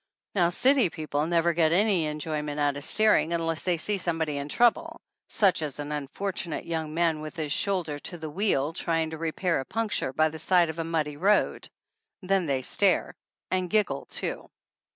Now, city people never get any enjoyment out of staring unless they see some body in trouble, such as an unfortunate young man with his shoulder to the wheel, trying to re pair a puncture, by the side of a muddy road. Then they stare, and giggle too.